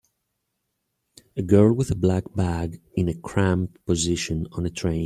A girl with a black bag in a cramped position on a train